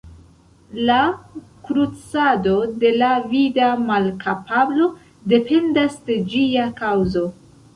La kuracado de la vida malkapablo dependas de ĝia kaŭzo.